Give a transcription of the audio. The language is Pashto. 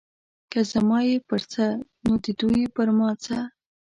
که زما یې پر څه نو د دوی پر ما څه.